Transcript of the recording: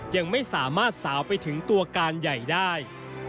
ยังไม่สามารถสาวไปถึงตัวการใหญ่ได้